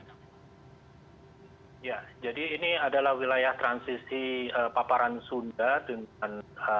ya jadi ini adalah wilayah transisi paparan sunda dengan